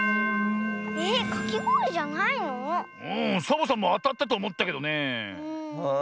サボさんもあたったとおもったけどねえ。